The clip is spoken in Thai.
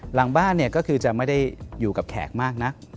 หลังบ้านเนี่ยก็คือจะไม่ได้อยู่กับแขกมากนัก